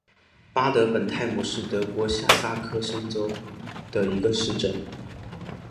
巴德本泰姆是德国下萨克森州的一个市镇。